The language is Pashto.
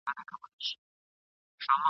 زه به مي څنګه په سیالانو کي عیدګاه ته ځمه ..